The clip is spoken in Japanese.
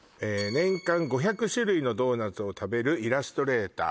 「年間５００種類のドーナツを食べるイラストレーター」